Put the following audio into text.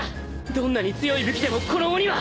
どんなに強い武器でもこの鬼は。